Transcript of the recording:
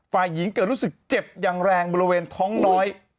ฝ่ายหญิงเกิดรู้สึกเจ็บอย่างแรงบริเวณท้องน้อย